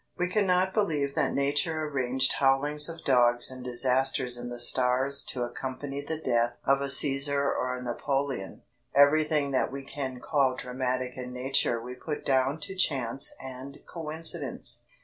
We cannot believe that Nature arranged howlings of dogs and disasters in the stars to accompany the death of a Cæsar or a Napoleon. Everything that we can call dramatic in Nature we put down to chance and coincidence.